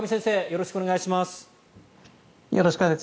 よろしくお願いします。